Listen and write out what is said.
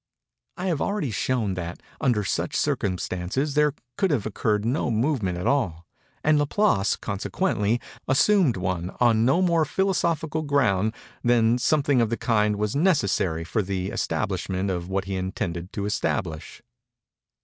I have already shown that, under such circumstances, there could have occurred no movement at all; and Laplace, consequently, assumed one on no more philosophical ground than that something of the kind was necessary for the establishment of what he intended to establish.